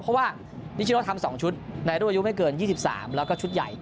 เพราะว่านิชโนทำ๒ชุดในรุ่นอายุไม่เกิน๒๓แล้วก็ชุดใหญ่